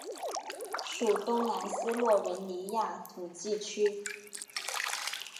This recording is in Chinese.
属东南斯洛文尼亚统计区。